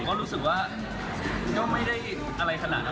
ก็รู้สึกว่าก็ไม่ได้อะไรขนาดนั้น